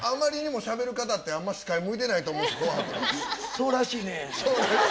そうらしいねん。